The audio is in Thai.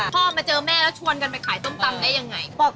พ่อมาเจอแม่แล้วชวนกันไปขายส้มตำได้ยังไง